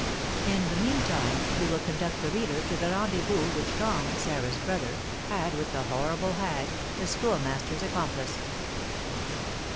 In the meantime we will conduct the reader to the rendezvous which Tom, Sarah's brother, had with the horrible hag, the Schoolmaster's accomplice.